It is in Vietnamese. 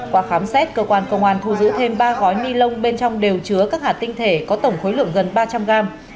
qua khám xét cơ quan công an thu giữ thêm ba gói ni lông bên trong đều chứa các hạt tinh thể có tổng khối lượng gần ba trăm linh gram